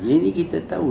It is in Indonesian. ini kita tahu